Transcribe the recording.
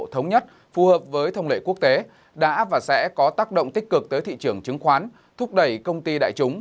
thống nhất phù hợp với thông lệ quốc tế đã và sẽ có tác động tích cực tới thị trường chứng khoán thúc đẩy công ty đại chúng